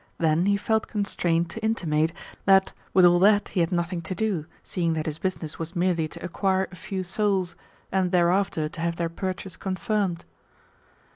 Then he felt constrained to intimate that with all that he had nothing to do, seeing that his business was merely to acquire a few souls, and thereafter to have their purchase confirmed.